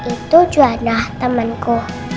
itu juwana temanku